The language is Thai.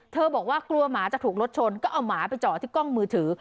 บอกว่ากลัวหมาจะถูกรถชนก็เอาหมาไปเจาะที่กล้องมือถือ